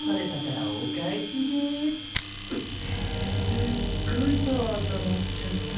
すっごいパワーたまっちゃった。